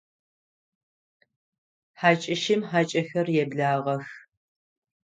Хьакӏэщым хьакӏэхэр еблагъэх.